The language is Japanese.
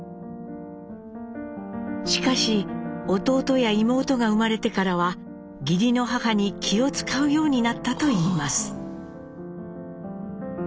しかし弟や妹が生まれてからは義理の母に気を遣うようになったといいます。